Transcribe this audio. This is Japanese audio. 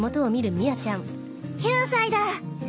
９歳だ！